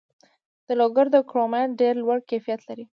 د لوګر کرومایټ ډیر لوړ کیفیت لري.